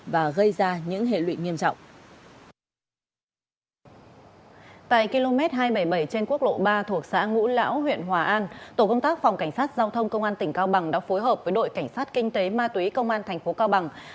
và gây ra những hệ lụy nghiêm trọng